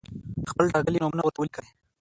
خپل ټاکلي نومونه ورته ولیکئ.